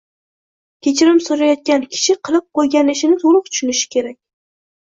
Kechirim so‘rayotgan kishi qilib qo‘ygan ishini to‘liq tushunishi kerak.